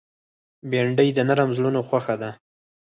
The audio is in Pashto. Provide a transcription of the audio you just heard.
بېنډۍ د نرم زړونو خوښه ده